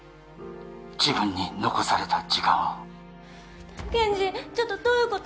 自分に残された時間を健二ちょっとどういうこと！？